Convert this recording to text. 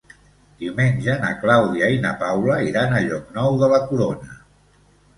Diumenge na Clàudia i na Paula iran a Llocnou de la Corona.